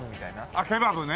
あっケバブね！